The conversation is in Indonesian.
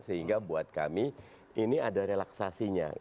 sehingga buat kami ini ada relaksasinya